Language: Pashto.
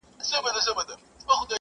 د دغه کوچني هلک سر ډېر دروند و.